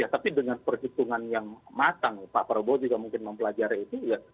tapi dengan perhitungan yang matang pak prabowo juga mungkin mempelajari itu ya